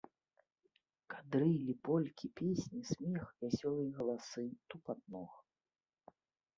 Кадрылі, полькі, песні, смех, вясёлыя галасы, тупат ног.